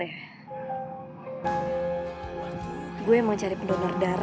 hai atau enggak